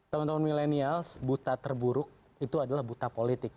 teman teman milenial buta terburuk itu adalah buta politik